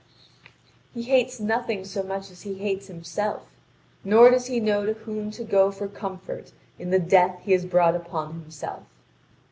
He hates nothing so much as he hates himself, nor does he know to whom to go for comfort in the death he has brought upon himself.